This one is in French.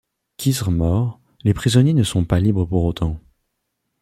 Khizr mort, les prisonniers ne sont pas libres pour autant.